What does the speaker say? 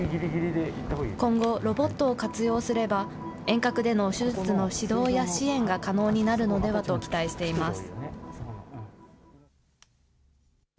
今後、ロボットを活用すれば、遠隔での手術の指導や支援が可能になるのではと期待しています。